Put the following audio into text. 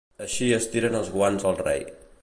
Així es tiren els guants al rei.